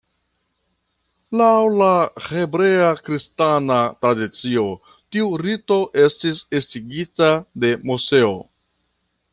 Laŭ la hebrea-kristana tradicio, tiu rito estis estigita de Moseo.